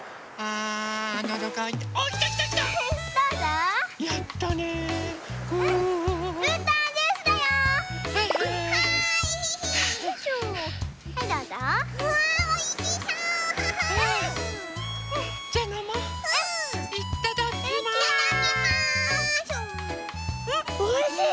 んっおいしい！